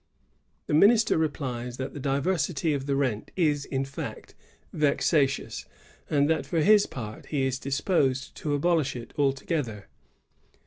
The minister replies that the diversity of the rent is, in fact, vexatious, and that for his part he is disposed to abolish it altogether.